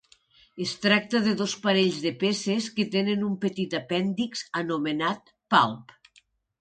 Es tracta de dos parells de peces que tenen un petit apèndix anomenat palp.